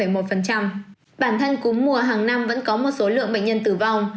bản thân cúm mùa hàng năm vẫn có một số lượng bệnh nhân tử vong